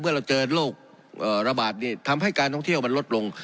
เราเจอโรคระบาดทำให้การท่องเที่ยวมันลดลง